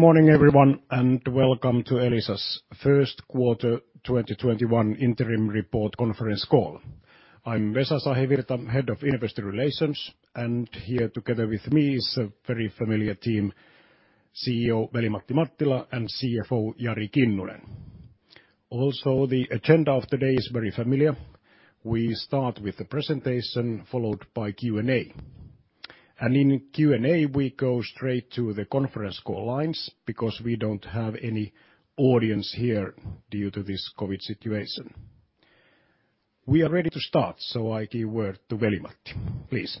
Good morning, everyone, and welcome to Elisa's first quarter 2021 interim report conference call. I'm Vesa Sahivirta, Head of Investor Relations, and here together with me is a very familiar team, Chief Executive Officer Veli-Matti Mattila and Chief Financial Officer Jari Kinnunen. Also, the agenda of today is very familiar. We start with the presentation followed by Q&A. In Q&A, we go straight to the conference call lines because we don't have any audience here due to this COVID situation. We are ready to start. I give word to Veli-Matti. Please.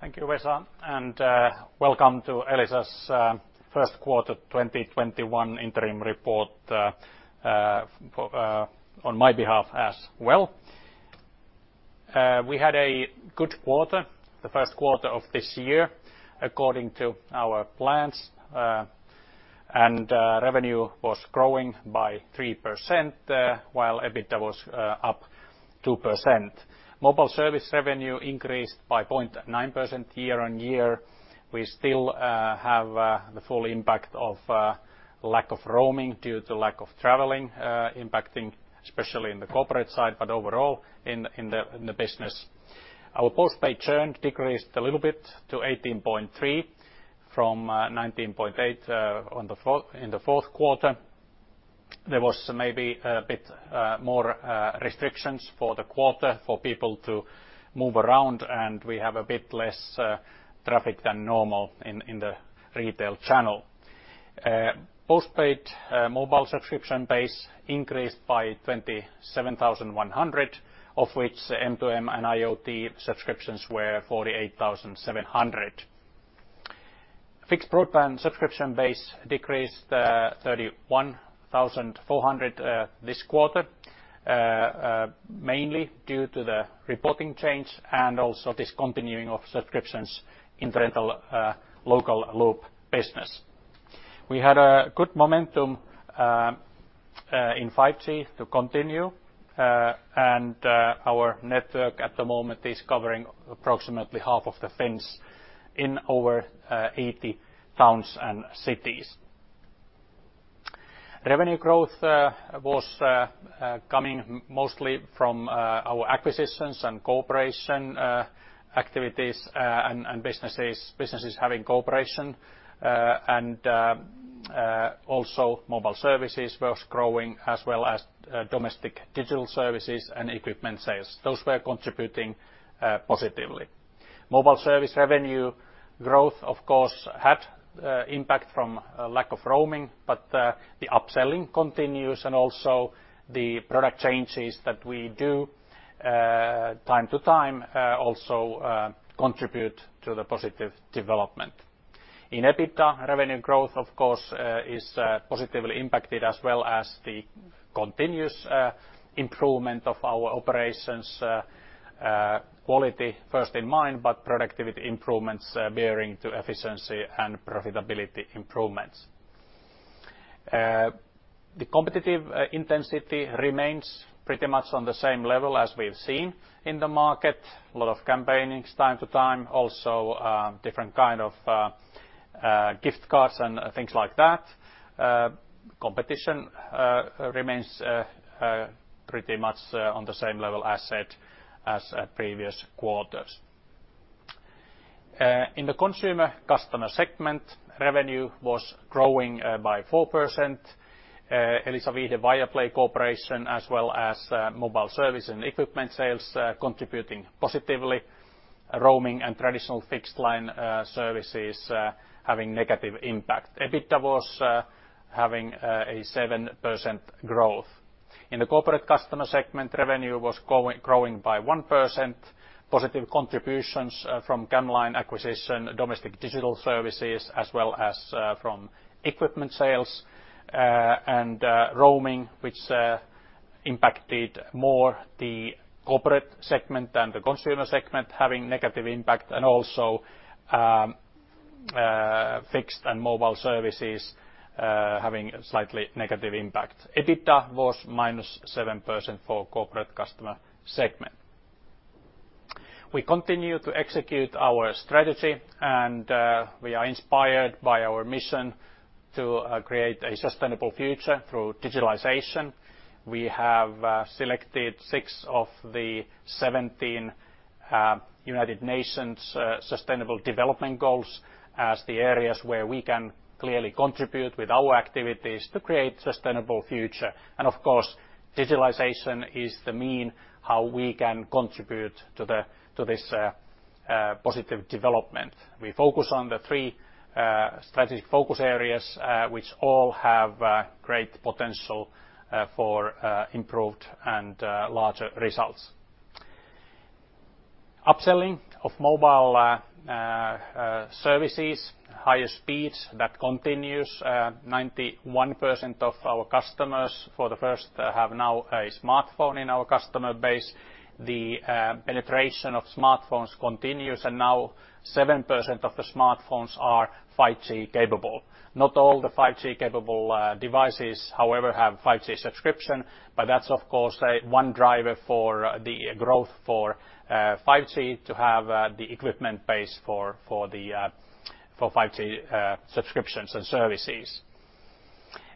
Thank you, Vesa, and welcome to Elisa's first quarter 2021 interim report on my behalf as well. We had a a good quarter, the first of this year, according to our plans. Revenue was growing by 3%, while EBITDA was up 2%. Mobile Service Revenue increased by 0.9% year-on-year. We still have the full impact of lack of roaming due to lack of traveling impacting especially in the corporate side, but overall in the business. Our postpaid churn decreased a little bit to 18.3% from 19.8% in the fourth quarter. There was maybe a bit more restrictions for the quarter for people to move around, and we have a bit less traffic than normal in the retail channel. Postpaid mobile subscription base increased by 27,100, of which M2M/IoT subscriptions were 48,700. Fixed broadband subscription base decreased 31,400 this quarter, mainly due to the reporting change and also discontinuing of subscriptions in rental local loop business. We had a good momentum in 5G to continue. Our network at the moment is covering approximately half of the Finns in over 80 towns and cities. Revenue growth was coming mostly from our acquisitions and cooperation activities and businesses having cooperation. Mobile services was growing as well as domestic digital services and equipment sales. Those were contributing positively. Mobile service revenue growth, of course, had impact from lack of roaming. The upselling continues. The product changes that we do time to time also contribute to the positive development. In EBITDA, revenue growth, of course, is positively impacted as well as the continuous improvement of our operations quality first in mind. Productivity improvements bearing to efficiency and profitability improvements. The competitive intensity remains pretty much on the same level as we've seen in the market. A lot of campaigns time to time, also different kind of gift cards and things like that. Competition remains pretty much on the same level as said as previous quarters. In the consumer customer segment, revenue was growing by 4%. Elisa Viihde Viaplay cooperation as well as mobile service and equipment sales contributing positively. Roaming and traditional fixed line services having negative impact. EBITDA was having a 7% growth. In the corporate customer segment, revenue was growing by 1%. Positive contributions from camLine acquisition, domestic digital services, as well as from equipment sales, and roaming, which impacted more the corporate segment than the consumer segment having negative impact. Also fixed and mobile services having slightly negative impact. EBITDA was -7% for corporate customer segment. We continue to execute our strategy. We are inspired by our mission to create a sustainable future through digitalization. We have selected six of the 17 United Nations Sustainable Development Goals as the areas where we can clearly contribute with our activities to create sustainable future. Of course, digitalization is the mean how we can contribute to this positive development. We focus on the three strategic focus areas which all have great potential for improved and larger results. Upselling of mobile services, higher speeds, that continues. 91% of our customers for the first have now a smartphone in our customer base. The penetration of smartphones continues, and now 7% of the smartphones are 5G capable. Not all the 5G capable devices, however, have 5G subscription, but that's of course one driver for the growth for 5G to have the equipment base for 5G subscriptions and services.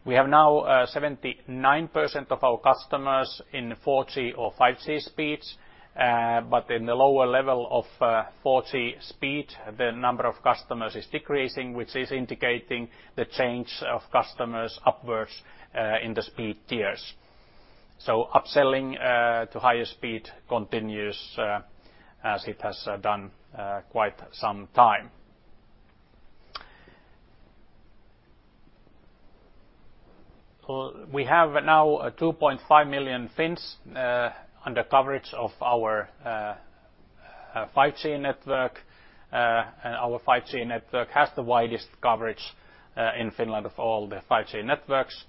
We have now 79% of our customers in 4G or 5G speeds. In the lower level of 4G speed, the number of customers is decreasing, which is indicating the change of customers upwards in the speed tiers. Up-selling to higher speed continues as it has done quite some time. We have now 2.5 million Finns under coverage of our 5G network. Our 5G network has the widest coverage in Finland of all the 5G networks.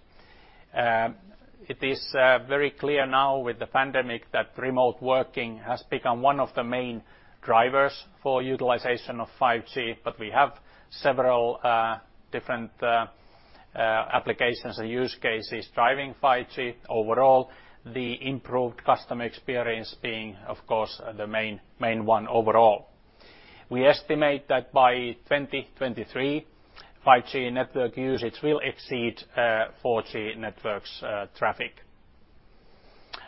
It is very clear now with the pandemic that remote working has become one of the main drivers for utilization of 5G, but we have several different applications and use cases driving 5G. Overall, the improved customer experience being, of course, the main one overall. We estimate that by 2023, 5G network usage will exceed 4G network's traffic.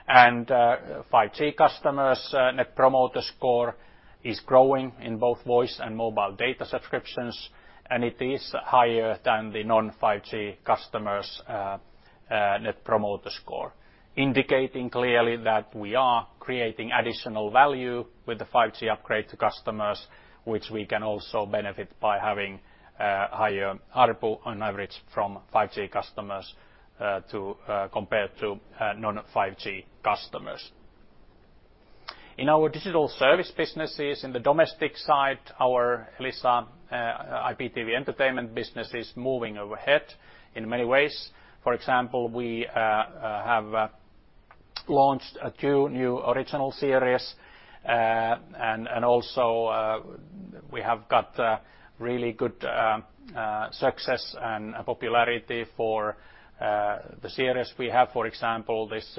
5G customers Net Promoter Score is growing in both voice and mobile data subscriptions, and it is higher than the non-5G customers' Net Promoter Score, indicating clearly that we are creating additional value with the 5G upgrade to customers, which we can also benefit by having higher ARPU on average from 5G customers compared to non-5G customers. In our digital service businesses, in the domestic side, our Elisa IPTV entertainment business is moving ahead in many ways. For example, we have launched two new original series, and also we have got really good success and popularity for the series we have. For example, this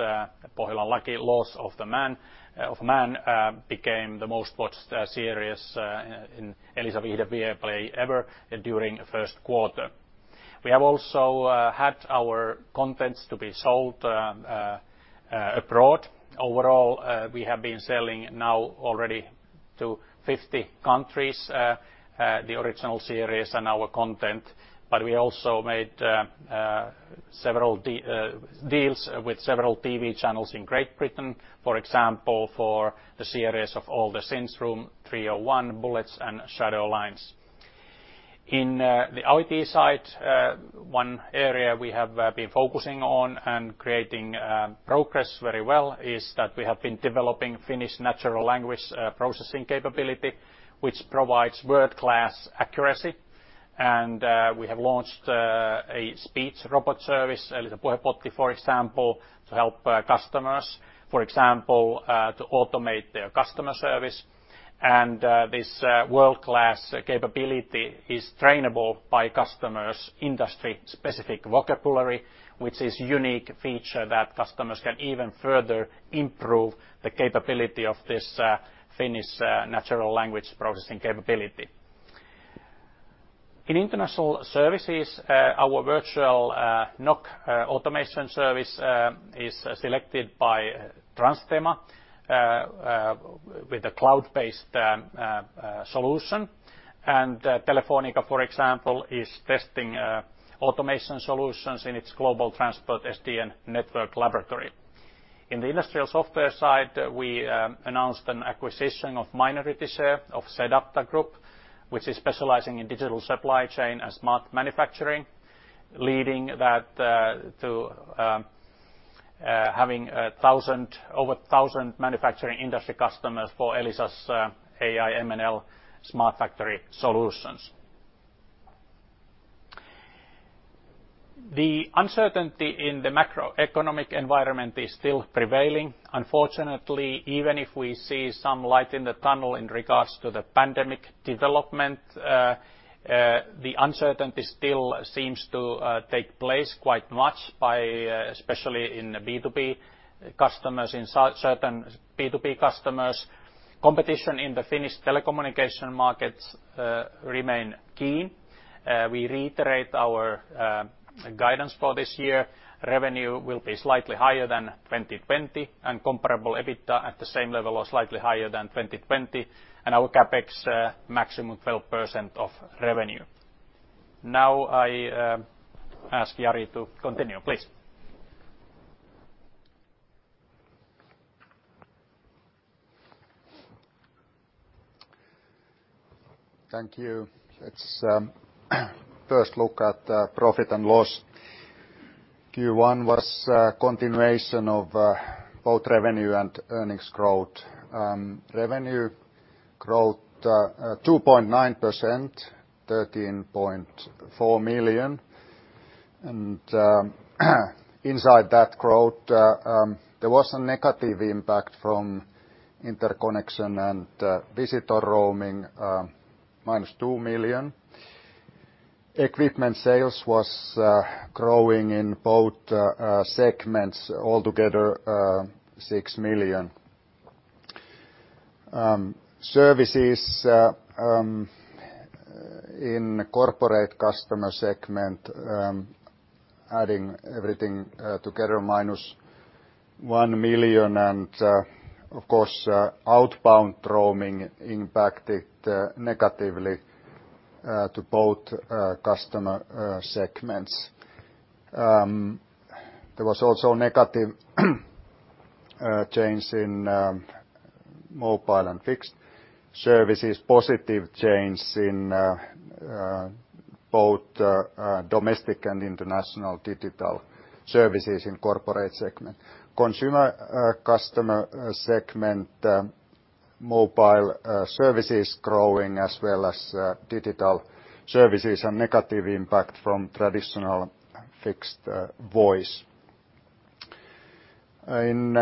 Pohjolan laki, Laws of Man, became the most-watched series in Elisa Viihde Viaplay ever during first quarter. We have also had our contents to be sold abroad. Overall, we have been selling now already to 50 countries, the original series and our content. We also made deals with several TV channels in Great Britain, for example, for the series of All the Sins, Room 301, Bullets, and Shadow Lines. In the IoT side, one area we have been focusing on and creating progress very well is that we have been developing Finnish natural language processing capability, which provides world-class accuracy. We have launched a speech robot service, Elisa Puhebotti, for example, to help customers. For example, to automate their customer service. This world-class capability is trainable by customers industry-specific vocabulary, which is unique feature that customers can even further improve the capability of this Finnish natural language processing capability. In international services, our virtual NOC automation service is selected by Transtema with a cloud-based solution. Telefónica, for example, is testing automation solutions in its global transport SDN network laboratory. In the industrial software side, we announced an acquisition of minority share of sedApta Group, which is specializing in digital supply chain and smart manufacturing, leading that to having over 1,000 manufacturing industry customers for Elisa's AI/ML/SmartFactory solutions. The uncertainty in the macroeconomic environment is still prevailing. Unfortunately, even if we see some light in the tunnel in regards to the pandemic development, the uncertainty still seems to take place quite much, especially in certain B2B customers. Competition in the Finnish telecommunication markets remain keen. We reiterate our guidance for this year. Revenue will be slightly higher than 2020, and comparable EBITDA at the same level or slightly higher than 2020, and our CapEx maximum 12% of revenue. Now I ask Jari to continue. Please. Thank you. Let's first look at profit and loss. Q1 was a continuation of both revenue and earnings growth. Revenue growth 2.9%, 13.4 million. Inside that growth, there was a negative impact from interconnection and visitor roaming, -2 million. Equipment sales was growing in both segments, altogether EUR 6 million. Services in corporate customer segment, adding everything together -1 million. Of course, outbound roaming impacted negatively to both customer segments. There was also a negative change in mobile and fixed services, positive change in both domestic and international digital services in corporate segment. Consumer customer segment, mobile services growing as well as digital services, and negative impact from traditional fixed voice. In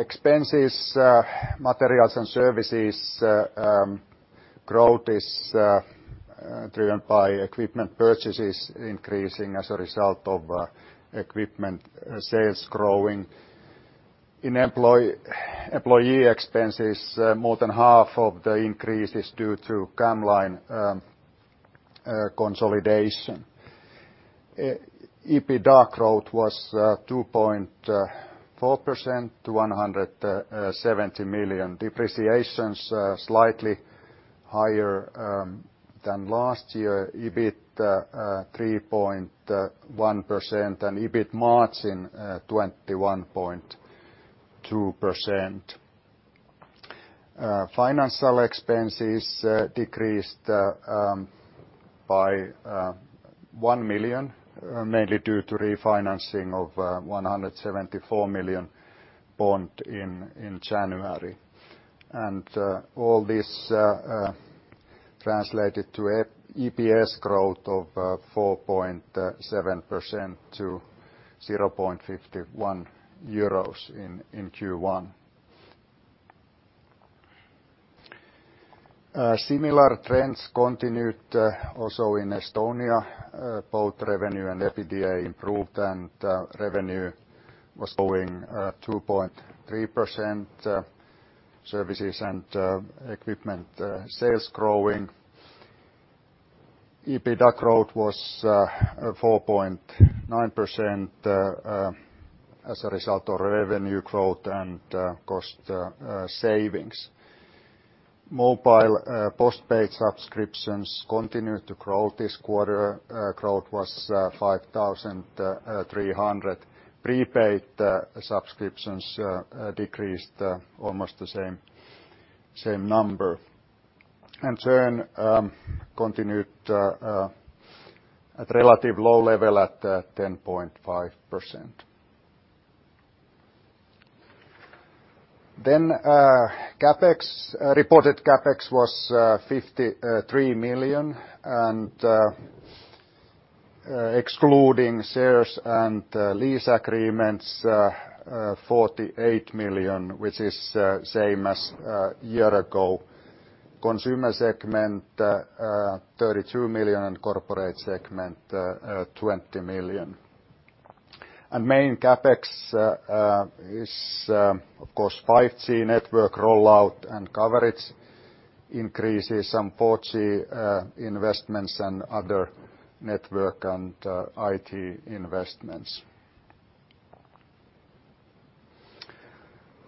expenses, materials and services growth is driven by equipment purchases increasing as a result of equipment sales growing. In employee expenses, more than half of the increase is due to camLine consolidation. EBITDA growth was 2.4% to 170 million. Depreciations slightly higher than last year, EBIT 3.1%, and EBIT margin 21.2%. Financial expenses decreased by 1 million, mainly due to refinancing of 174 million bond in January. All this translated to EPS growth of 4.7% to EUR 0.51 in Q1. Similar trends continued also in Estonia. Both revenue and EBITDA improved, and revenue was growing 2.3%, services and equipment sales growing. EBITDA growth was 4.9% as a result of revenue growth and cost savings. Mobile postpaid subscriptions continued to grow this quarter, growth was 5,300. Prepaid subscriptions decreased almost the same number. Churn continued at a relative low level at 10.5%. Reported CapEx was 53 million, and excluding shares and lease agreements, 48 million, which is same as a year ago. Consumer segment, 32 million and corporate segment, 20 million. Main CapEx is of course 5G network rollout and coverage increases, some 4G investments and other network and IT investments.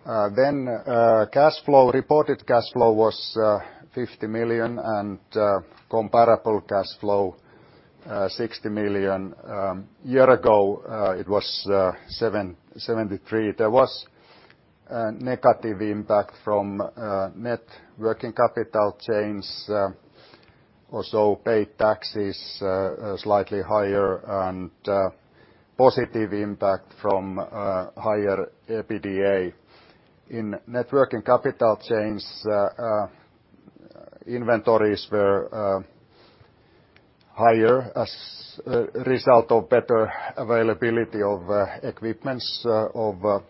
Reported cash flow was 50 million and comparable cash flow, 60 million. Year ago, it was 73 million. There was a negative impact from net working capital change, also paid taxes slightly higher, and positive impact from higher EBITDA. In net working capital change, inventories were higher as a result of better availability of equipments of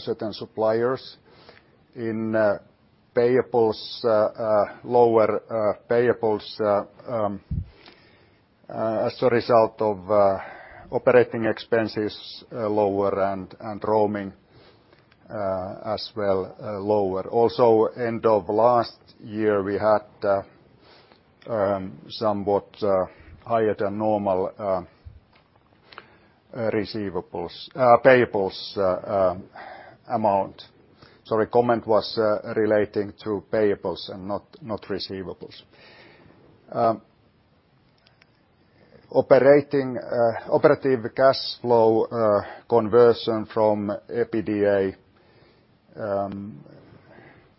certain suppliers. In payables, lower payables as a result of operating expenses lower and roaming as well lower. End of last year, we had somewhat higher than normal payables amount. Sorry, comment was relating to payables and not receivables. Operative cash flow conversion from EBITDA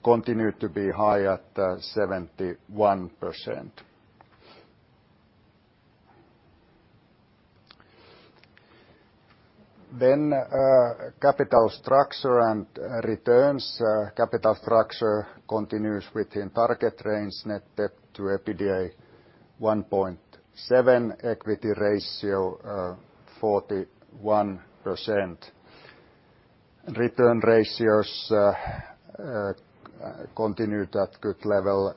continued to be high at 71%. Capital structure and returns. Capital structure continues within target range, net debt to EBITDA 1.7x, equity ratio 41%. Return ratios continued at good level,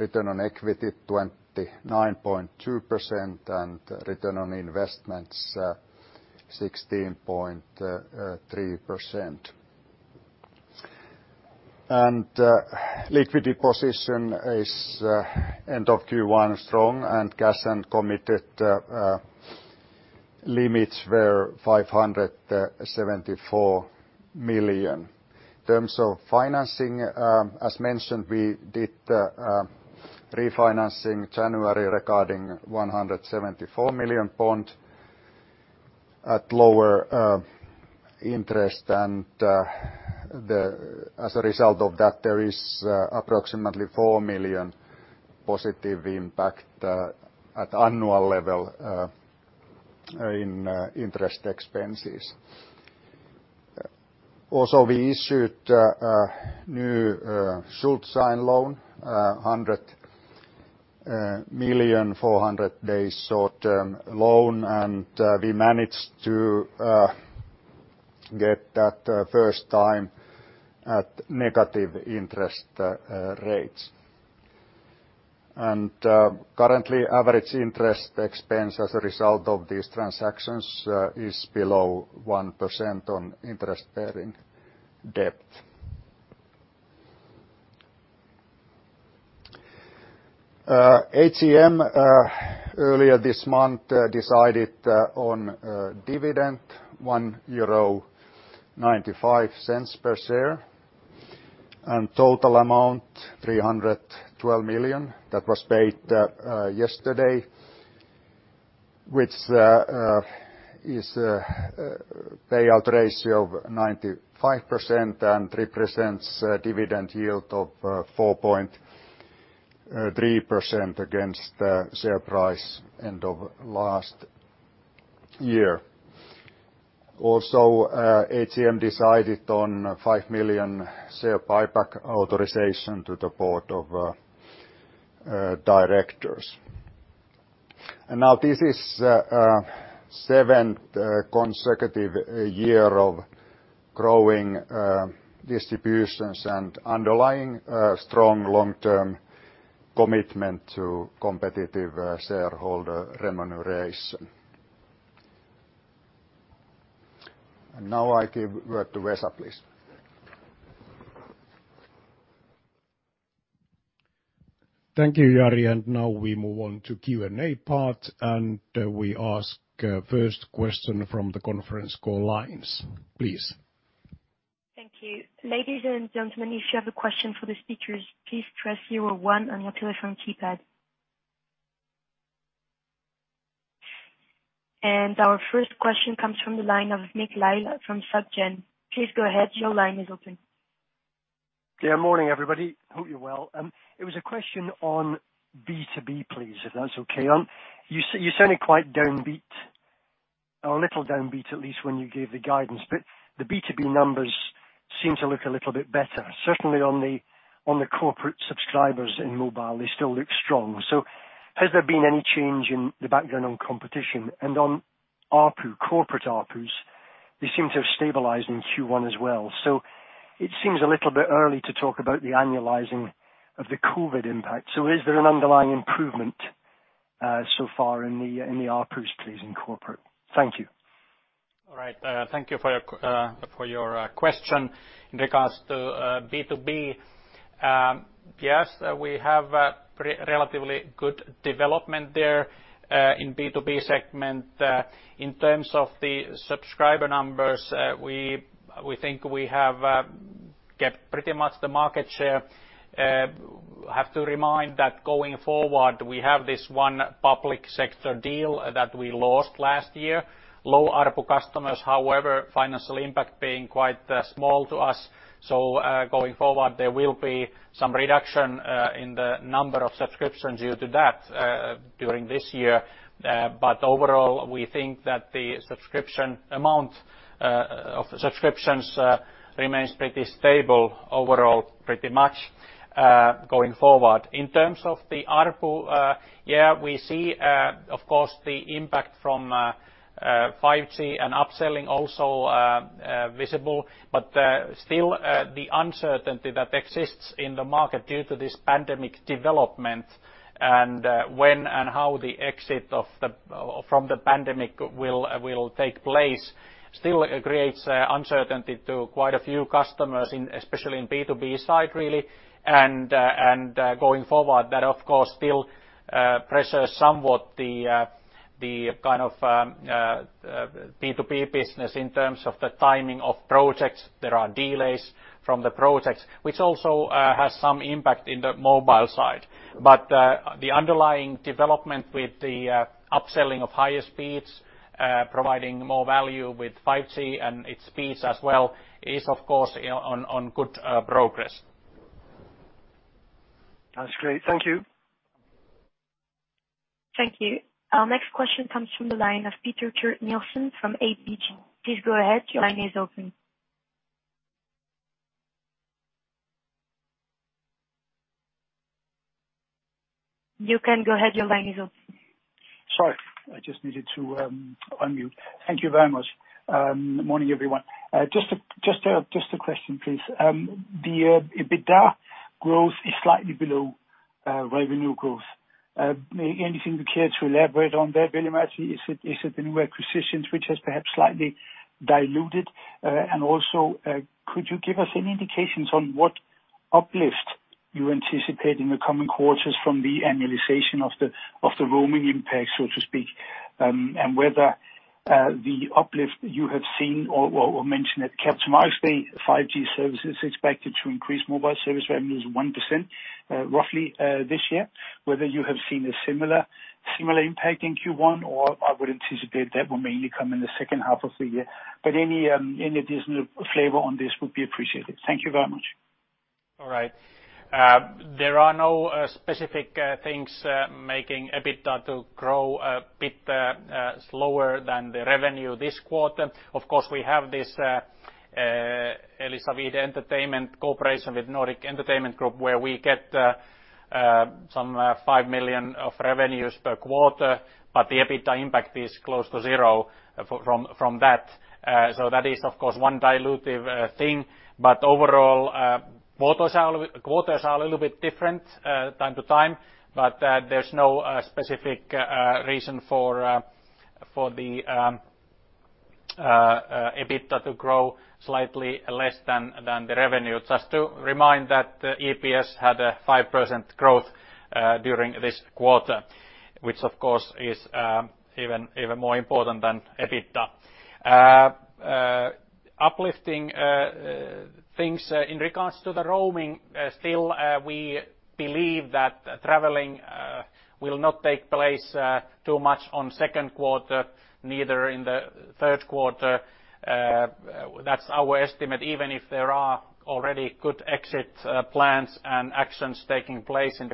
return on equity 29.2% and return on investments 16.3%. Liquidity position is end of Q1 strong and cash and committed limits were 574 million. In terms of financing, as mentioned, we did refinancing January regarding 174 million bond at lower interest and as a result of that, there is approximately 4 million positive impact at annual level in interest expenses. Also, we issued a new Schuldschein loan, 100 million 400 days short-term loan, and we managed to get that first time at negative interest rates. Currently average interest expense as a result of these transactions is below 1% on interest-bearing debt. AGM earlier this month decided on dividend 1.95 euro per share, and total amount 312 million. That was paid yesterday, which is a payout ratio of 95% and represents a dividend yield of 4.3% against the share price end of last year. Also, AGM decided on 5 million share buyback authorization to the Board of Directors. This is 7th consecutive year of growing distributions and underlying strong long-term commitment to competitive shareholder remuneration. I give word to Vesa, please. Thank you, Jari, and now we move on to Q&A part, and we ask first question from the conference call lines, please. Thank you. Ladies and gentlemen if you have questions for the speakers please press zero one on your telephone keypad. The first question is from the line of Nick Lyall from SocGen, please go ahead your line is open. Morning everybody? Hope you're well. It was a question on B2B, please, if that's okay. You're sounding quite downbeat or a little downbeat, at least when you gave the guidance, the B2B numbers seem to look a little bit better. Certainly on the corporate subscribers in mobile, they still look strong. Has there been any change in the background on competition? On ARPU, corporate ARPUs, they seem to have stabilized in Q1 as well. It seems a little bit early to talk about the annualizing of the COVID impact. Is there an underlying improvement so far in the ARPUs please in corporate? Thank you. All right. Thank you for your question. In regards to B2B, yes, we have relatively good development there in B2B segment. In terms of the subscriber numbers, we think we have kept pretty much the market share. Have to remind that going forward, we have this one public sector deal that we lost last year. Low ARPU customers, however, financial impact being quite small to us. Going forward, there will be some reduction in the number of subscriptions due to that, during this year. Overall, we think that the amount of subscriptions remains pretty stable overall pretty much, going forward. In terms of the ARPU, yeah, we see of course the impact from 5G and upselling also visible, but still the uncertainty that exists in the market due to this pandemic development and when and how the exit from the pandemic will take place still creates uncertainty to quite a few customers especially in B2B side really and going forward that of course still pressures somewhat the B2B business in terms of the timing of projects. There are delays from the projects, which also has some impact in the mobile side. The underlying development with the upselling of higher speeds, providing more value with 5G and its speeds as well is of course on good progress. That's great. Thank you. Thank you. Our next question comes from the line of Peter Kurt Nielsen from ABG, please go ahead. Your line is open. You can go ahead your line is open. Sorry, I just needed to unmute. Thank you very much. Morning everyone? Just a question, please. The EBITDA growth is slightly below revenue growth. Anything you care to elaborate on there, Veli-Matti? Is it the new acquisitions which has perhaps slightly diluted? Could you give us any indications on what uplift you anticipate in the coming quarters from the annualization of the roaming impact, so to speak, and whether the uplift you have seen or mention it, Capital Markets say 5G services expected to increase mobile service revenues 1% roughly this year, whether you have seen a similar impact in Q1 or I would anticipate that will mainly come in the second half of the year. Any additional flavor on this would be appreciated. Thank you very much. All right. There are no specific things making EBITDA to grow a bit slower than the revenue this quarter. We have this Elisa Viihde entertainment cooperation with Nordic Entertainment Group, where we get some 5 million of revenues per quarter, but the EBITDA impact is close to zero from that. That is, of course, one dilutive thing, but overall, quarters are a little bit different time to time, but there's no specific reason for the EBITDA to grow slightly less than the revenue. Just to remind that EPS had a 5% growth during this quarter, which, of course, is even more important than EBITDA. Uplifting things in regards to the roaming, still we believe that traveling will not take place too much on second quarter, neither in the third quarter. That's our estimate, even if there are already good exit plans and actions taking place in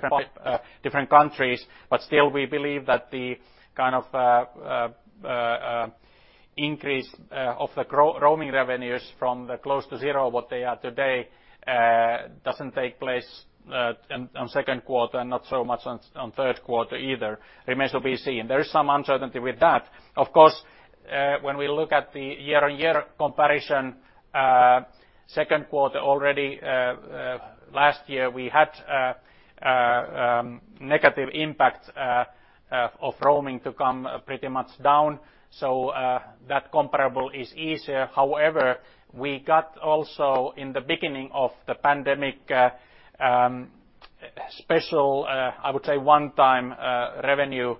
different countries. Still we believe that the kind of increase of the roaming revenues from the close to zero, what they are today, doesn't take place on second quarter, and not so much on third quarter either. Remains to be seen. There is some uncertainty with that. Of course, when we look at the year-on-year comparison, second quarter already last year, we had negative impact of roaming to come pretty much down. That comparable is easier. However, we got also in the beginning of the pandemic, special, I would say one-time revenue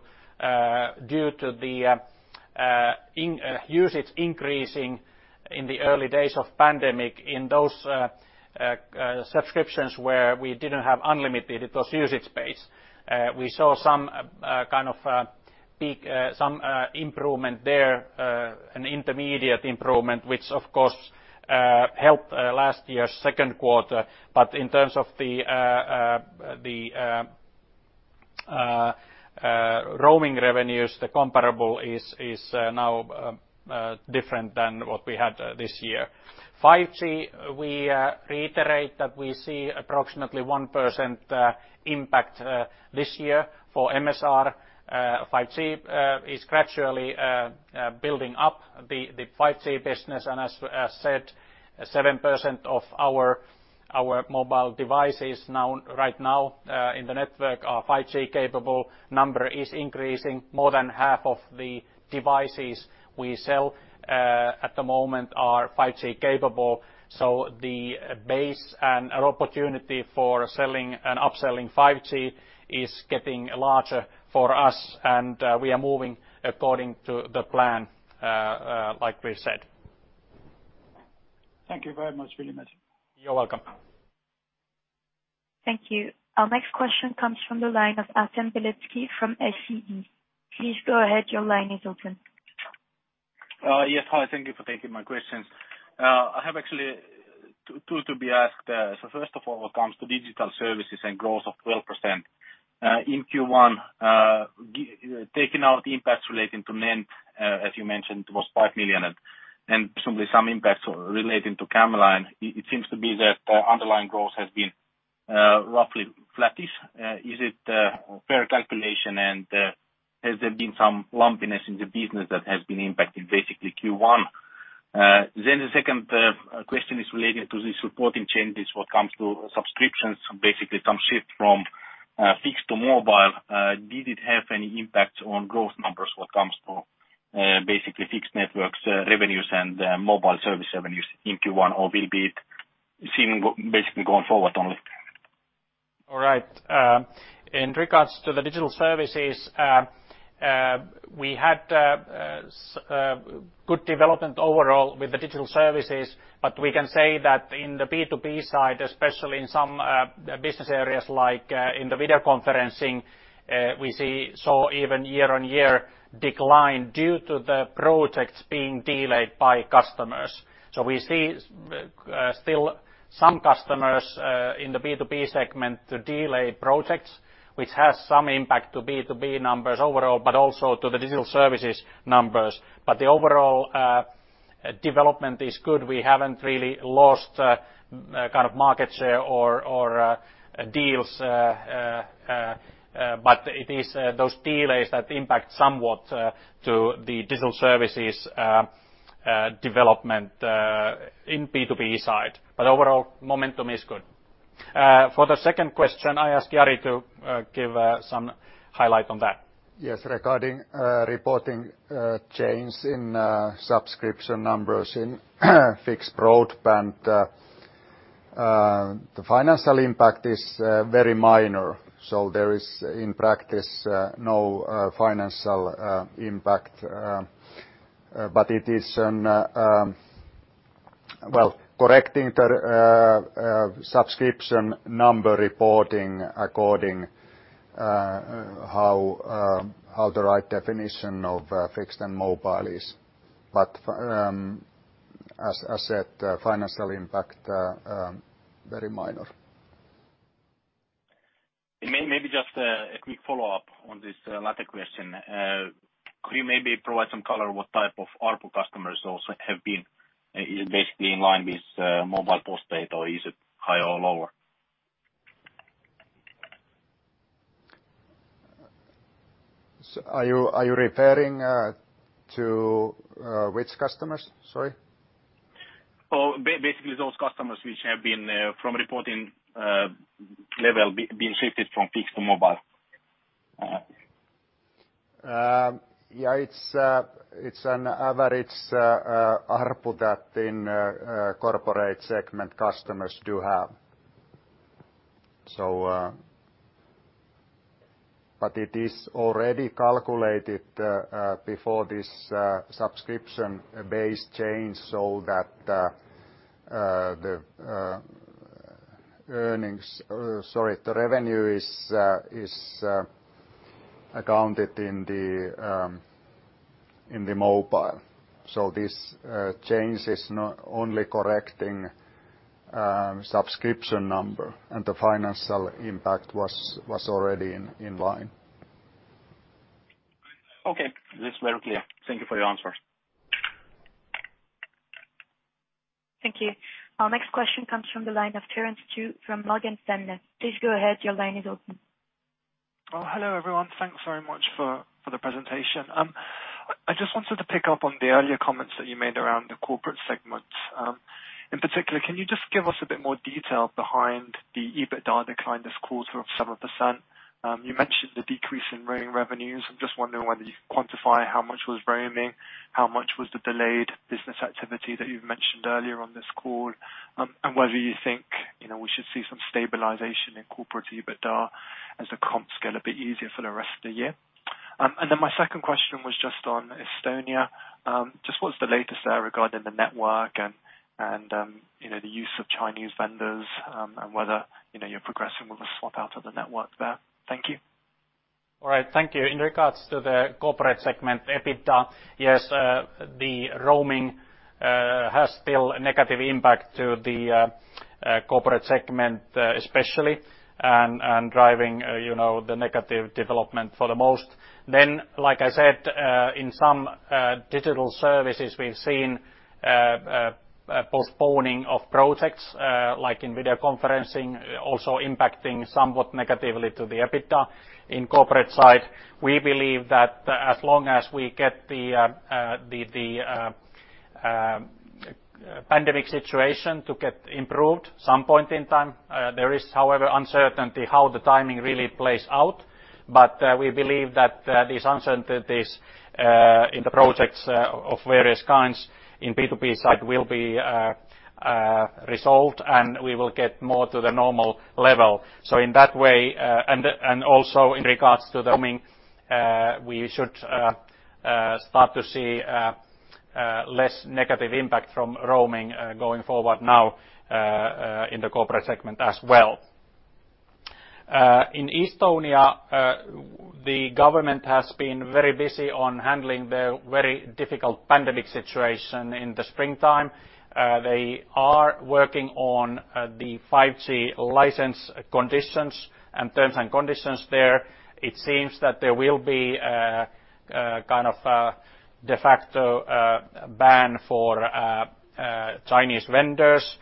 due to the usage increasing in the early days of pandemic in those subscriptions where we didn't have unlimited, it was usage-based. We saw some improvement there, an intermediate improvement, which of course helped last year's second quarter. In terms of the roaming revenues, the comparable is now different than what we had this year. 5G, we reiterate that we see approximately 1% impact this year for MSR. 5G is gradually building up the 5G business. As I said, 7% of our mobile devices right now in the network are 5G capable. Number is increasing. More than half of the devices we sell at the moment are 5G capable. The base and opportunity for selling and upselling 5G is getting larger for us, and we are moving according to the plan like we've said. Thank you very much, Veli-Matti. You're welcome. Thank you. Our next question comes from the line of Artem Beletski from SEB, please go ahead. Your line is open. Yes. Hi, thank you for taking my questions. I have actually two to be asked. First of all, when it comes to digital services and growth of 12% in Q1 taking out impacts relating to NENT, as you mentioned, it was 5 million. Certainly some impacts relating to camLine, it seems to be that underlying growth has been roughly flattish. Is it a fair calculation and has there been some lumpiness in the business that has been impacted basically Q1? The second question is related to the supporting changes when it comes to subscriptions, basically some shift from fixed to mobile. Did it have any impact on growth numbers when it comes to basically fixed networks revenues and mobile service revenues in Q1, or will it be seen basically going forward only? All right. In regards to the digital services, we had good development overall with the digital services, but we can say that in the B2B side, especially in some business areas like in the video conferencing, we saw even year-on-year decline due to the projects being delayed by customers. We see still some customers in the B2B segment delay projects, which has some impact to B2B numbers overall, but also to the digital services numbers. The overall development is good. We haven't really lost kind of market share or deals. It is those delays that impact somewhat to the digital services development in B2B side. Overall momentum is good. For the second question, I ask Jari to give some highlight on that. Yes, regarding reporting change in subscription numbers in fixed broadband. The financial impact is very minor. There is, in practice, no financial impact. It is correcting the subscription number reporting according how the right definition of fixed and mobile is. As I said, financial impact, very minor. Maybe just a quick follow-up on this latter question. Could you maybe provide some color what type of ARPU customers also have been, is basically in line with mobile postpaid or is it higher or lower? Are you referring to which customers? Sorry. Basically those customers which have been from reporting level, been shifted from fixed to mobile. Yeah, it's an average ARPU that in corporate segment customers do have. It is already calculated before this subscription-based change, so that the revenue is accounted in the mobile. This change is only correcting subscription number, and the financial impact was already in line. Okay. That's very clear. Thank you for your answers. Thank you. Our next question comes from the line of Terence Tsui from Morgan Stanley, please go ahead. Your line is open. Hello everyone? Thanks very much for the presentation. I just wanted to pick up on the earlier comments that you made around the corporate segment. In particular, can you just give us a bit more detail behind the EBITDA decline this quarter of 7%? You mentioned the decrease in roaming revenues. I'm just wondering whether you can quantify how much was roaming, how much was the delayed business activity that you've mentioned earlier on this call, and whether you think we should see some stabilization in corporate EBITDA as the comps get a bit easier for the rest of the year. My second question was just on Estonia. Just what's the latest there regarding the network and the use of Chinese vendors, and whether you're progressing with a swap out of the network there. Thank you. All right. Thank you. In regards to the corporate segment, EBITDA, yes, the roaming has still a negative impact to the corporate segment, especially, and driving the negative development for the most. Like I said, in some digital services, we've seen postponing of projects, like in video conferencing, also impacting somewhat negatively to the EBITDA in corporate side. We believe that as long as we get the pandemic situation to get improved some point in time. There is, however, uncertainty how the timing really plays out. We believe that these uncertainties in the projects of various kinds in B2B side will be resolved, and we will get more to the normal level. In that way, and also in regards to roaming, we should start to see less negative impact from roaming going forward now in the corporate segment as well. In Estonia, the government has been very busy on handling the very difficult pandemic situation in the springtime. They are working on the 5G license conditions and terms and conditions there. It seems that there will be a de facto ban for Chinese vendors.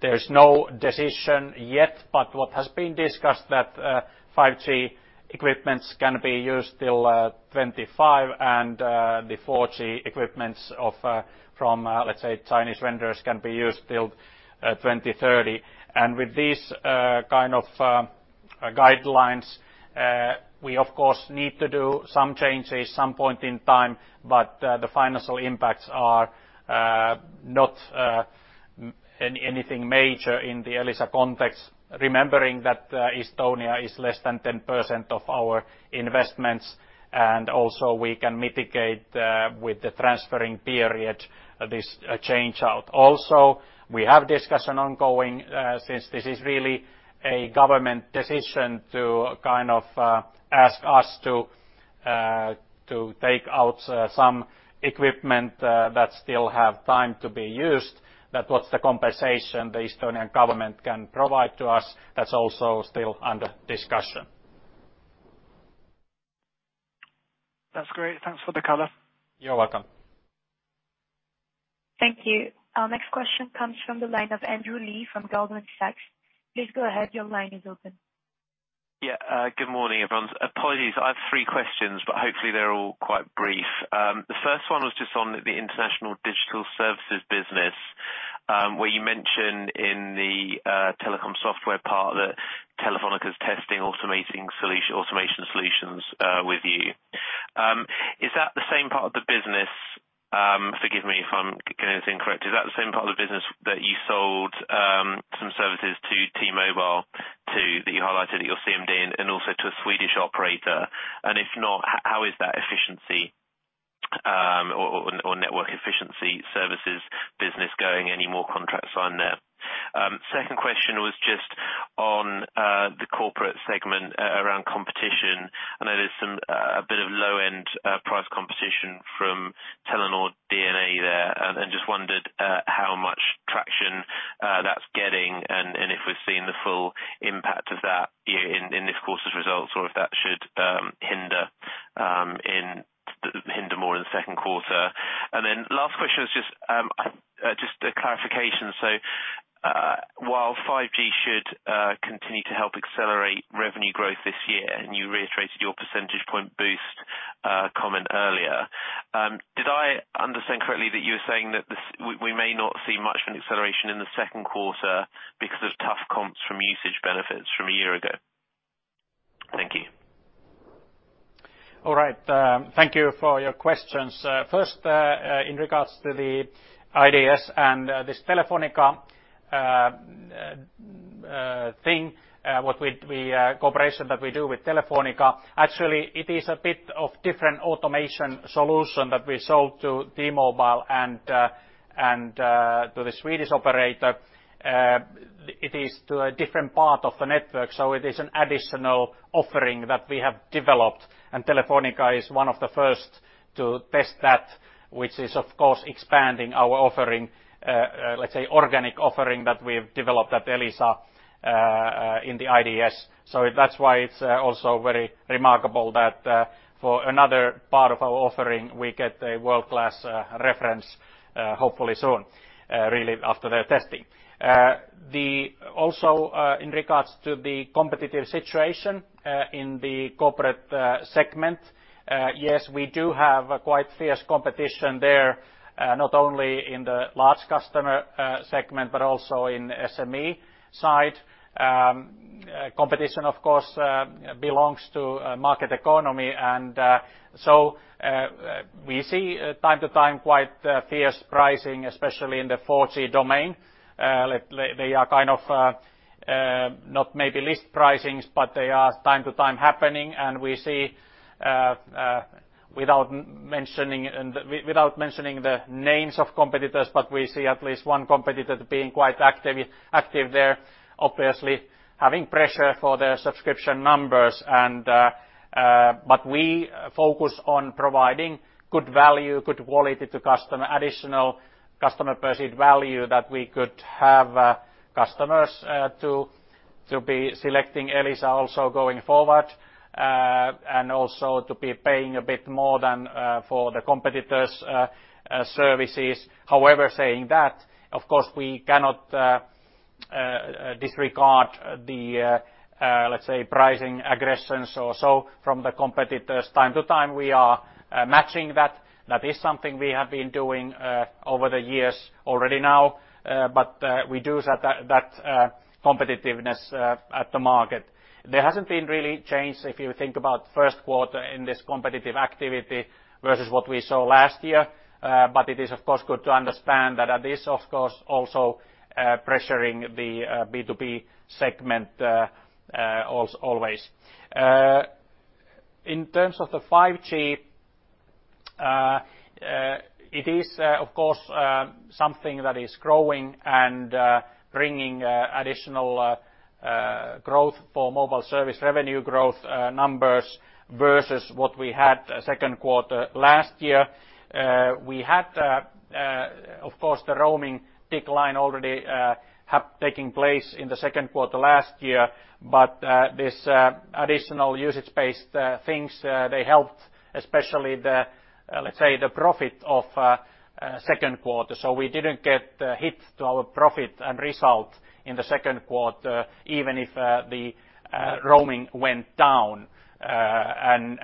There's no decision yet, but what has been discussed that 5G equipments can be used till 2025 and the 4G equipments from, let's say, Chinese vendors can be used till 2030. With these kind of guidelines, we of course need to do some changes some point in time, but the financial impacts are not anything major in the Elisa context. Remembering that Estonia is less than 10% of our investments, and also we can mitigate with the transferring period this change-out. Also, we have discussion ongoing, since this is really a government decision to ask us to take out some equipment that still have time to be used. That what's the compensation the Estonian government can provide to us, that's also still under discussion. That's great. Thanks for the color. You're welcome. Thank you. Our next question comes from the line of Andrew Lee from Goldman Sachs, please go ahead. Your line is open. Good morning everyone? Apologies, I have three questions, but hopefully they're all quite brief. The first one was just on the international digital services business, where you mentioned in the telecom software part that Telefónica is testing automation solutions with you. Forgive me if I'm getting this incorrect, is that the same part of the business that you sold some services to T-Mobile, that you highlighted at your CMD and also to a Swedish operator? If not, how is that efficiency or network efficiency services business going? Any more contracts signed there? Second question was just on the corporate segment around competition. I know there's a bit of low-end price competition from Telenor DNA there, and just wondered how much traction that's getting and if we're seeing the full impact of that in this quarter's results or if that should hinder more in the second quarter. Last question is just a clarification. While 5G should continue to help accelerate revenue growth this year, and you reiterated your percentage point boost comment earlier, did I understand correctly that you were saying that we may not see much of an acceleration in the second quarter because of tough comps from usage benefits from a year ago? Thank you. All right. Thank you for your questions. First, in regards to the IDS and this Telefónica thing, cooperation that we do with Telefónica, actually it is a bit of different automation solution that we sold to T-Mobile and to the Swedish operator. It is to a different part of the network, so it is an additional offering that we have developed, and Telefónica is one of the first to test that, which is, of course, expanding our offering, let's say organic offering that we've developed at Elisa in the IDS. That's why it's also very remarkable that for another part of our offering, we get a world-class reference, hopefully soon, really after their testing. Also in regards to the competitive situation in the corporate segment, yes, we do have a quite fierce competition there, not only in the large customer segment, but also in SME side. Competition, of course, belongs to market economy. We see time to time quite fierce pricing, especially in the 4G domain. They are kind of not maybe list pricings, but they are time to time happening. Without mentioning the names of competitors, we see at least one competitor being quite active there, obviously having pressure for their subscription numbers. We focus on providing good value, good quality to customer, additional customer perceived value that we could have customers to be selecting Elisa also going forward, and also to be paying a bit more than for the competitors' services. However, saying that, of course, we cannot disregard the, let's say, pricing aggressions or so from the competitors. Time to time, we are matching that. That is something we have been doing over the years already now. We do that competitiveness at the market. There hasn't been really change, if you think about first quarter in this competitive activity versus what we saw last year. It is, of course, good to understand that this, of course, also pressuring the B2B segment always. In terms of the 5G, it is, of course, something that is growing and bringing additional growth for mobile service revenue growth numbers versus what we had second quarter last year. We had, of course, the roaming decline already have taking place in the second quarter last year. This additional usage-based things, they helped, especially the, let's say, the profit of second quarter. We didn't get hit to our profit and result in the second quarter, even if the roaming went down and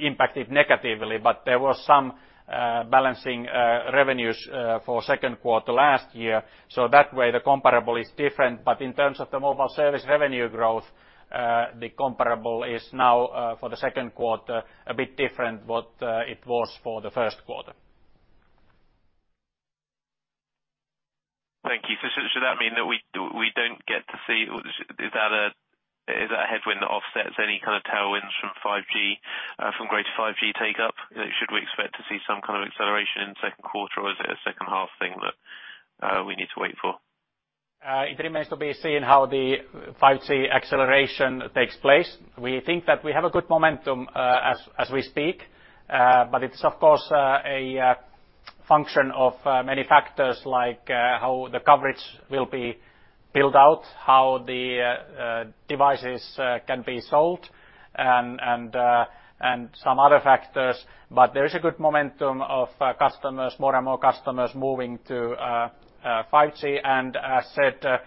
impacted negatively. There was some balancing revenues for second quarter last year. That way, the comparable is different. In terms of the mobile service revenue growth, the comparable is now for the second quarter a bit different what it was for the first quarter. Thank you. Should that mean that we don't get to see? Is that a headwind that offsets any kind of tailwinds from greater 5G take up? Should we expect to see some kind of acceleration in second quarter, or is it a second half thing that we need to wait for? It remains to be seen how the 5G acceleration takes place. We think that we have a good momentum as we speak. It's, of course, a function of many factors like how the coverage will be built out, how the devices can be sold, and some other factors. There is a good momentum of more and more customers moving to 5G, and as I said,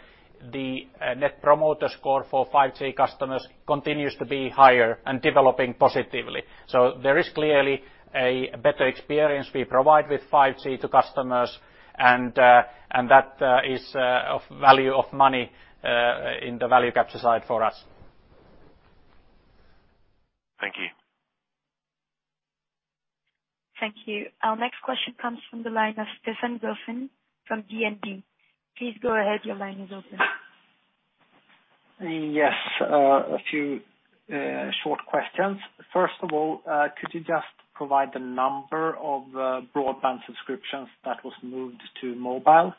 the Net Promoter Score for 5G customers continues to be higher and developing positively. There is clearly a better experience we provide with 5G to customers, and that is of value of money in the value capture side for us. Thank you. Thank you. Our next question comes from the line of Stefan Gauffin from DNB, please go ahead. Your line is open. Yes. A few short questions. First of all, could you just provide the number of broadband subscriptions that was moved to mobile?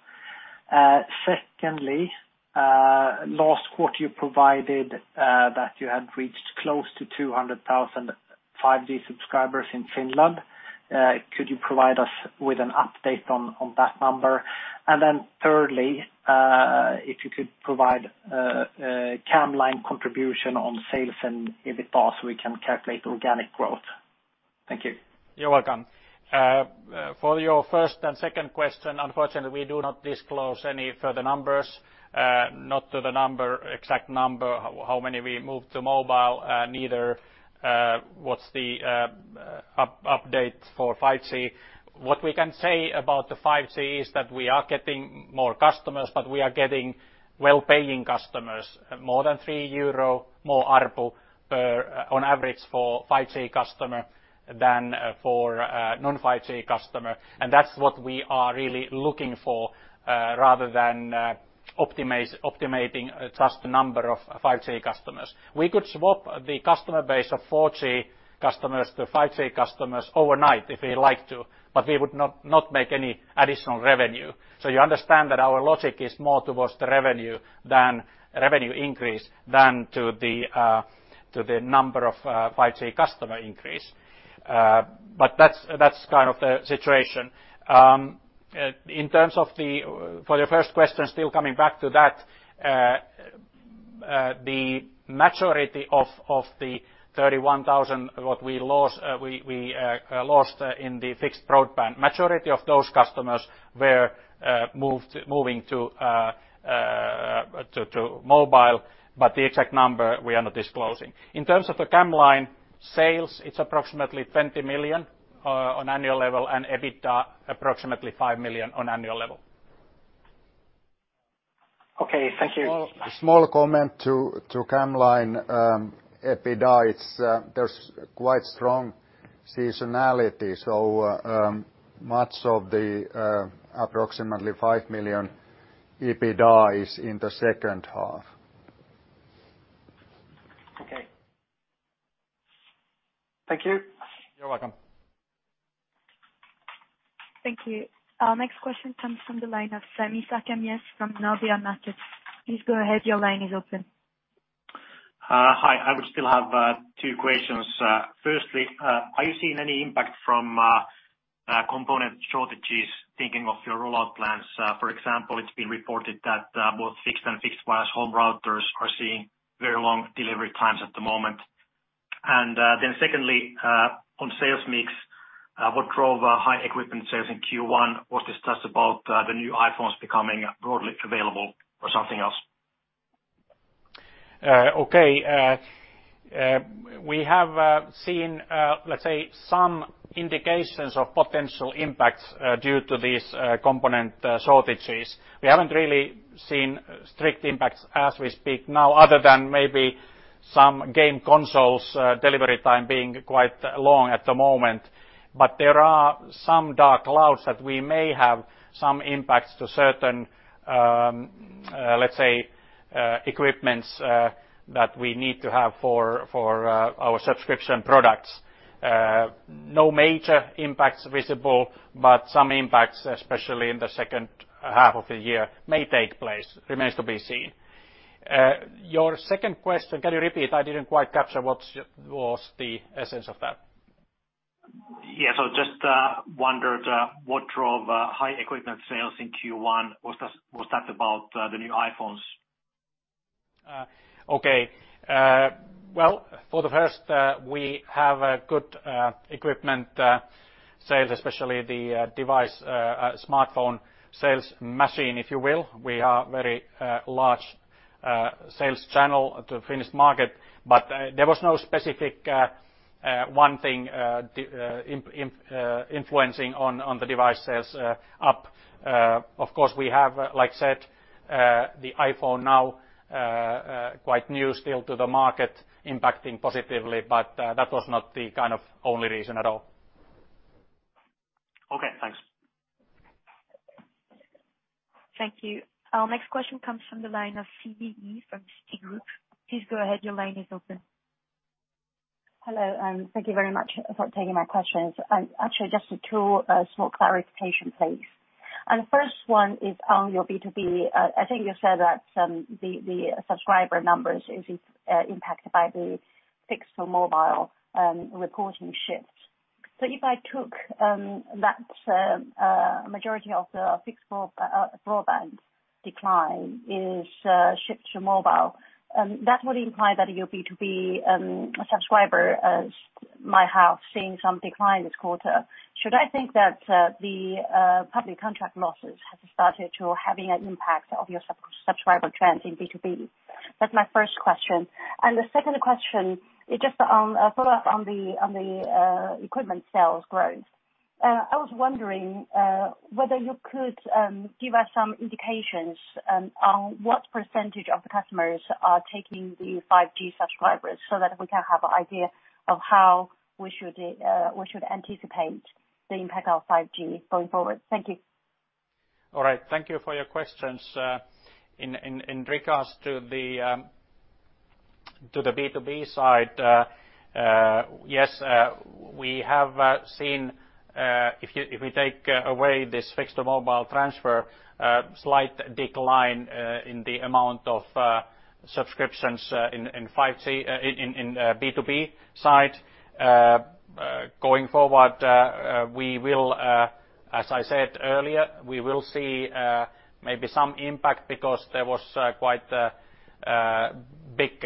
Secondly, last quarter you provided that you had reached close to 200,000 5G subscribers in Finland. Could you provide us with an update on that number? Thirdly, if you could provide camLine contribution on sales and EBITDA so we can calculate organic growth. Thank you. You're welcome. For your first and second question, unfortunately, we do not disclose any further numbers, not the exact number, how many we moved to mobile, neither what's the update for 5G. What we can say about the 5G is that we are getting more customers, but we are getting well-paying customers, more than 3 euro more ARPU on average for 5G customer than for a non-5G customer. That's what we are really looking for, rather than optimizing just the number of 5G customers. We could swap the customer base of 4G customers to 5G customers overnight if we liked to, but we would not make any additional revenue. You understand that our logic is more towards the revenue increase than to the number of 5G customer increase. That's kind of the situation. For your first question, still coming back to that, the majority of the 31,000 what we lost in the fixed broadband, majority of those customers were moving to mobile, but the exact number we are not disclosing. In terms of the camLine sales, it's approximately 20 million on annual level and EBITDA approximately 5 million on annual level. Okay. Thank you. A small comment to camLine EBITDA. There's quite strong seasonality. Much of the approximately 5 million EBITDA is in the second half. Okay. Thank you. You're welcome. Thank you. Our next question comes from the line of Sami Sarkamies from Nordea Markets, Please go ahead. Your line is open. Hi? I would still have two questions. Firstly, are you seeing any impact from component shortages thinking of your rollout plans? For example, it's been reported that both fixed and unfixed wire home routers are seeing very long delivery times at the moment. Then secondly, on sales mix, what drove high equipment sales in Q1? Was this just about the new iPhones becoming broadly available or something else? Okay. We have seen, let's say, some indications of potential impacts due to these component shortages. We haven't really seen strict impacts as we speak now, other than maybe some game consoles delivery time being quite long at the moment. There are some dark clouds that we may have some impacts to certain, let's say, equipments that we need to have for our subscription products. No major impacts visible, but some impacts, especially in the second half of the year, may take place. Remains to be seen. Your second question, can you repeat? I didn't quite capture what was the essence of what? Yeah. Just wondered what drove high equipment sales in Q1. Was that about the new iPhones? Well, for the first, we have a good equipment sales, especially the device smartphone sales machine, if you will. We are very large sales channel to Finnish market, but there was no specific one thing influencing on the device sales up. Of course, we have, like I said, the iPhone now quite new still to the market impacting positively, but that was not the kind of only reason at all. Okay, thanks. Thank you. Our next question comes from the line of Siyi He from Citigroup, please go ahead. Your line is open. Hello, thank you very much for taking my questions. Actually just two small clarifications, please. First one is on your B2B. I think you said that the subscriber numbers are impacted by the fixed to mobile reporting shifts. If I took that majority of the fixed broadband decline is a shift to mobile, that would imply that your B2B subscriber base is seeing some decline this quarter. Should I think that the public contract losses have started to have an impact on your subscriber trends in B2B? That's my first question. The second question is just on a follow-up on the equipment sales growth. I was wondering whether you could give us some indications on what percentage of the customers are taking 5G subscriptions so that we can have an idea of how we should anticipate the impact of 5G going forward. Thank you. All right. Thank you for your questions. In regards to the B2B side, yes, we have seen, if we take away this fixed to mobile transfer, slight decline in the amount of subscriptions in B2B side. Going forward, as I said earlier, we will see maybe some impact because there was quite a big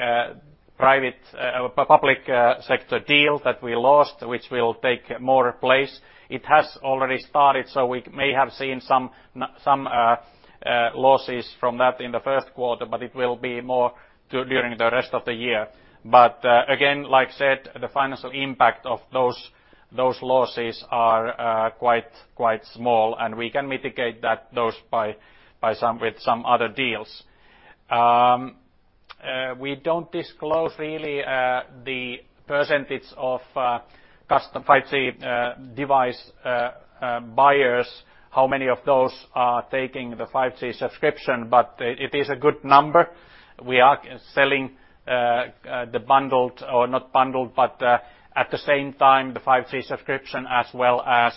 public sector deal that we lost, which will take more place. It has already started, so we may have seen some losses from that in the first quarter, but it will be more during the rest of the year. Again, like I said, the financial impact of those losses are quite small, and we can mitigate those with some other deals. We don't disclose really the percentage of 5G device buyers, how many of those are taking the 5G subscription, but it is a good number. We are selling the bundled or not bundled, but at the same time, the 5G subscription as well as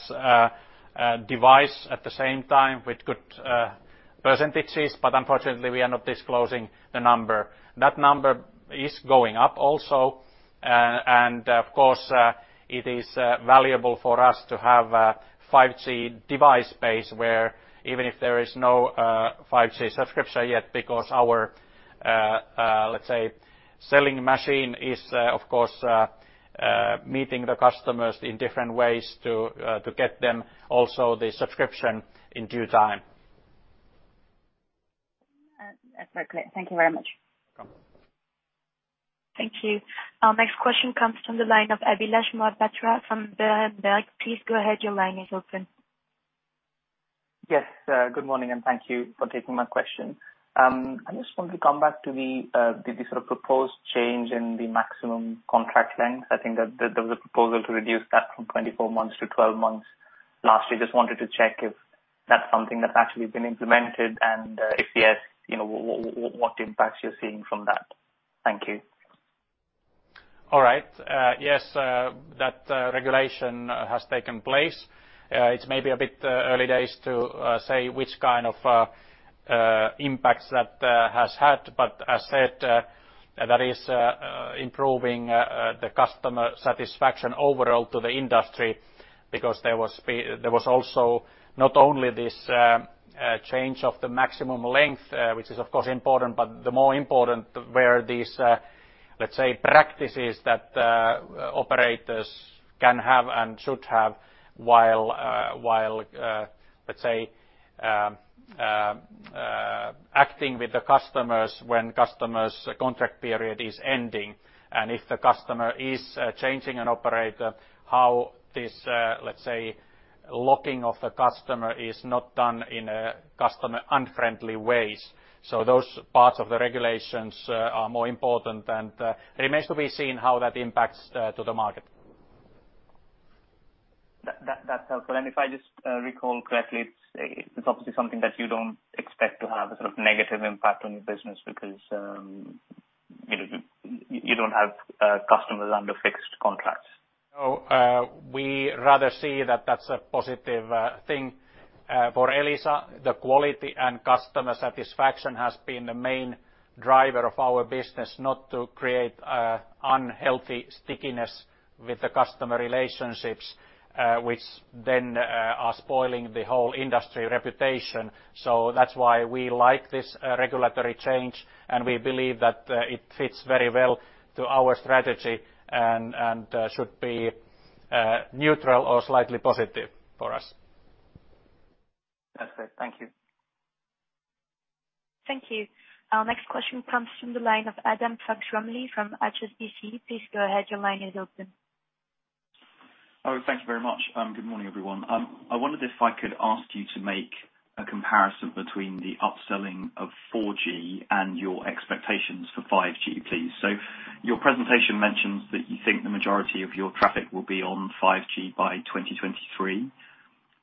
device at the same time with good percentages. Unfortunately, we are not disclosing the number. That number is going up also. Of course, it is valuable for us to have a 5G device base where even if there is no 5G subscription yet, because our, let's say, selling machine is, of course, meeting the customers in different ways to get them also the subscription in due time. That's very clear. Thank you very much. Welcome. Thank you. Our next question comes from the line of Abhilash Mohapatra from Berenberg, please go ahead. Your line is open. Yes. Good morning, and thank you for taking my question. I just want to come back to the sort of proposed change in the maximum contract length. I think that there was a proposal to reduce that from 24 months to 12 months last year. Just wanted to check if that's something that's actually been implemented and if yes, what impacts you're seeing from that? Thank you. All right. Yes, that regulation has taken place. It's maybe a bit early days to say which kind of impacts that has had. As I said, that is improving the customer satisfaction overall to the industry because there was also not only this change of the maximum length, which is, of course, important, but the more important were these, let's say, practices that operators can have and should have while, let's say, acting with the customers when customer's contract period is ending. If the customer is changing an operator, how this, let's say, locking of the customer is not done in a customer unfriendly ways. Those parts of the regulations are more important, and it remains to be seen how that impacts to the market. That's helpful. If I just recall correctly, it's obviously something that you don't expect to have a sort of negative impact on your business because you don't have customers under fixed contracts. We rather see that that's a positive thing for Elisa. The quality and customer satisfaction has been the main driver of our business not to create unhealthy stickiness with the customer relationships, which then are spoiling the whole industry reputation. That's why we like this regulatory change, and we believe that it fits very well to our strategy and should be neutral or slightly positive for us. That's it. Thank you. Thank you. Our next question comes from the line of Adam Fox-Rumley from HSBC, please go ahead. Your line is open. Thank you very much. Good morning everyone? I wondered if I could ask you to make a comparison between the upselling of 4G and your expectations for 5G, please. Your presentation mentions that you think the majority of your traffic will be on 5G by 2023.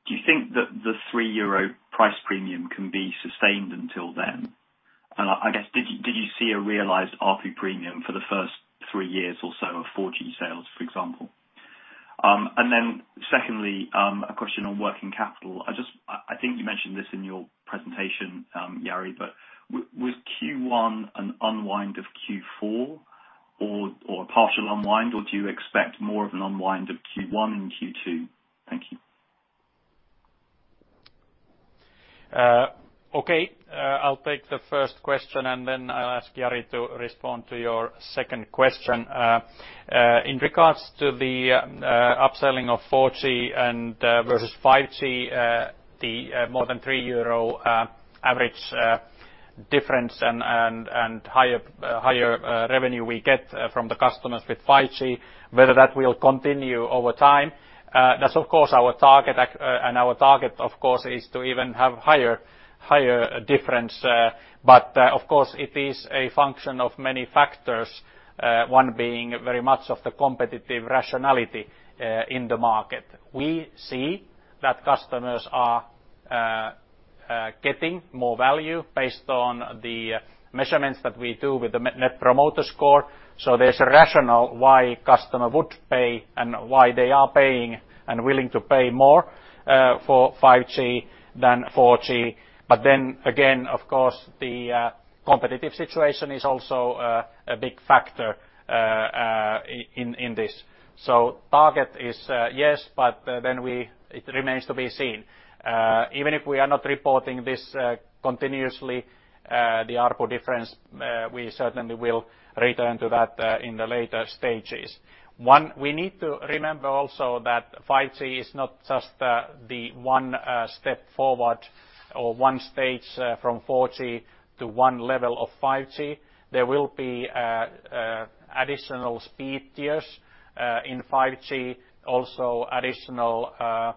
Do you think that the three-year price premium can be sustained until then? I guess did you see a realized ARPU premium for the first three years or so of 4G sales, for example? Secondly, a question on working capital. I think you mentioned this in your presentation, Jari, but was Q1 an unwind of Q4 or a partial unwind, or do you expect more of an unwind of Q1 and Q2? Thank you. Okay. I'll take the first question, and then I'll ask Jari to respond to your second question. In regards to the upselling of 4G versus 5G, the more than 3 euro average difference and higher revenue we get from the customers with 5G, whether that will continue over time, that's of course our target, and our target, of course, is to even have higher difference. Of course, it is a function of many factors, one being very much of the competitive rationality in the market. We see that customers are getting more value based on the measurements that we do with the Net Promoter Score. There's a rationale why customer would pay and why they are paying and willing to pay more for 5G than 4G. Again, of course, the competitive situation is also a big factor in this. Target is yes, but then it remains to be seen. Even if we are not reporting this continuously the ARPU difference, we certainly will return to that in the later stages. One, we need to remember also that 5G is not just the one step forward or one stage from 4G to one level of 5G. There will be additional speed tiers in 5G, also additional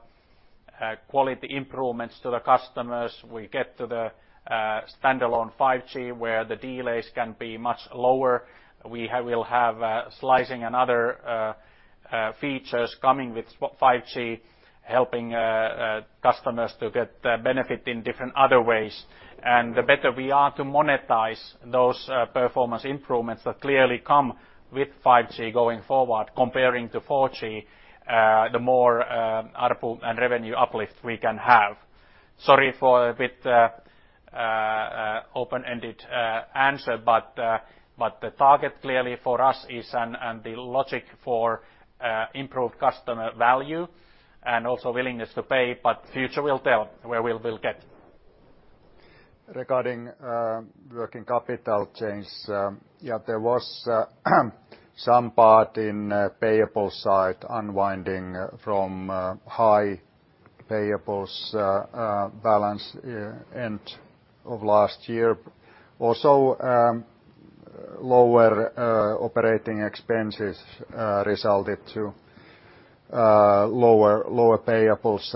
quality improvements to the customers. We get to the standalone 5G, where the delays can be much lower. We will have slicing and other features coming with 5G, helping customers to get benefit in different other ways. The better we are to monetize those performance improvements that clearly come with 5G going forward comparing to 4G, the more ARPU and revenue uplift we can have. Sorry for a bit open-ended answer. The target clearly for us is, and the logic for improved customer value and also willingness to pay. Future will tell where we will get. Regarding working capital change, there was some part in payable side unwinding from high payables balance end of last year. Lower operating expenses resulted to lower payables.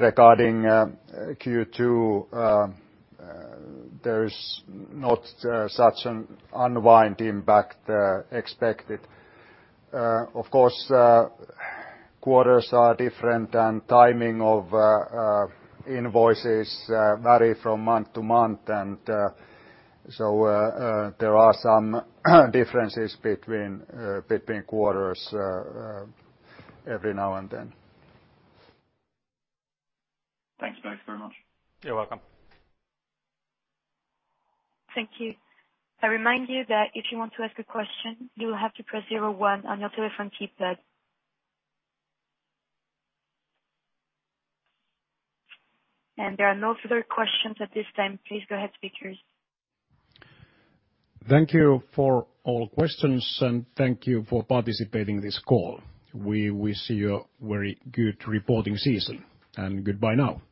Regarding Q2, there is not such an unwind impact expected. Of course, quarters are different, and timing of invoices vary from month to month. There are some differences between quarters every now and then. Thanks both very much. You're welcome. Thank you. I remind you that if you want to ask a question, you will have to press zero one on your telephone keypad. There are no further questions at this time, please go ahead, speakers. Thank you for all questions, and thank you for participating this call. We wish you a very good reporting season, and goodbye now.